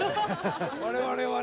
我々はね。